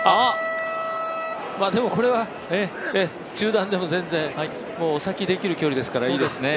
これは中断でも全然、お先できる距離ですからいいですね。